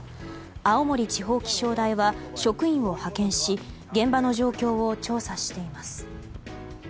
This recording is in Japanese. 青森地方気象台は職員を派遣し現場の状況を調査しています。